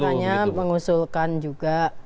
saya makanya mengusulkan juga